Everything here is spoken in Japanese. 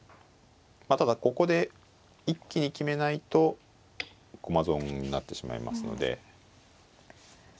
まあただここで一気に決めないと駒損になってしまいますので。